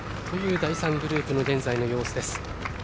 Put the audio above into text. という第３グループの現在の様子です。